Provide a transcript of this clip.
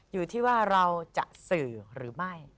อยู่ที่ว่าเราจะสื่อหรือไม่